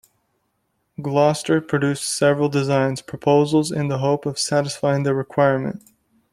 Gloster produced several design proposals in the hope of satisfying the requirement.